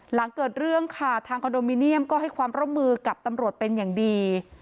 หลังเกิดเรื่องค่ะทางคอนโดมิเนียมก็ให้ความร่วมมือกับตำรวจเป็นอย่างดี